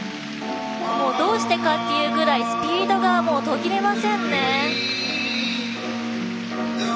どうしてかっていうぐらいスピード途切れませんね。